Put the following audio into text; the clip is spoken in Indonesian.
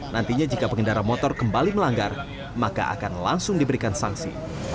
nantinya jika pengendara motor kembali melanggar maka akan langsung diberikan sanksi